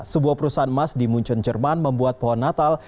sebuah perusahaan emas di munchen jerman membuat pohon natal